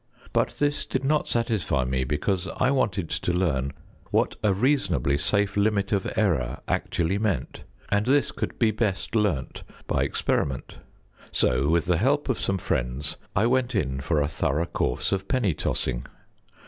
But this did not satisfy me, because I wanted to learn what a reasonably safe limit of error actually meant, and this could be best learnt by experiment; so with the help of some friends I went in for a thorough course of penny tossing.